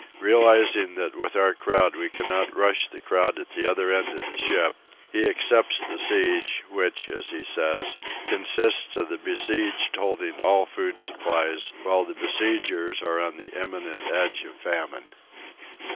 Realizing that with our crowd we cannot rush the crowd at the other end of the ship, he accepts the siege, which, as he says, consists of the besieged holding all food supplies while the besiegers are on the imminent edge of famine.